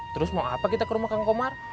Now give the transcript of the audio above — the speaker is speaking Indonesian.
terus mau apa kita ke rumah kang komar